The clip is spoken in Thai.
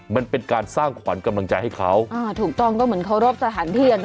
มันเป็นการสร้างขวัญกำลังใจให้เขาอ่าถูกต้องก็เหมือนเคารพสถานที่อ่ะเน